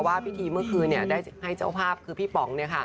ว่าพิธีเมื่อคืนได้ให้เจ้าภาพคือพี่ป๋อง